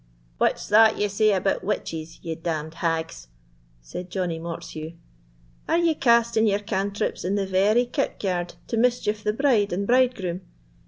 "What's that ye say about witches, ye damned hags?" said Johnie Mortheuch [Mortsheugh]; "are ye casting yer cantrips in the very kirkyard, to mischieve the bride and bridegroom?